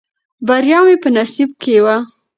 بریا مې په نصیب کې وه.